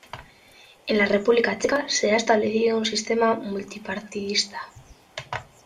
En la República Checa, se ha establecido un sistema multipartidista.